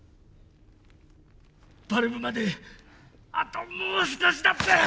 バルブまであともう少しだった！